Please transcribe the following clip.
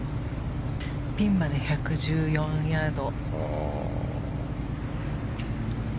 ピンまで１１４ヤード。